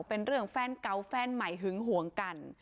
เป็นเรื่องแฟนเก่าแฟนใหม่หึงห่วงกัน